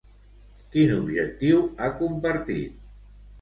Quin objectiu ha compartit?